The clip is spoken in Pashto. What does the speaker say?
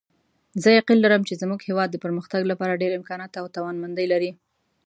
زه یقین لرم چې زموږ هیواد د پرمختګ لپاره ډېر امکانات او توانمندۍ لري